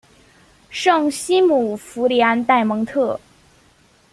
圣西姆福里安代蒙特。